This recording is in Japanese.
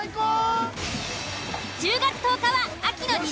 １０月１０日は。